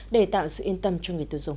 để tạo sự yên tâm cho người tiêu dùng